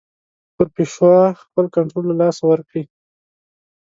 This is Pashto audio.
پر پېشوا خپل کنټرول له لاسه ورکړي.